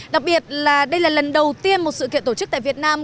đặc biệt là đây là lần đầu tiên một sự kiện tổ chức tại việt nam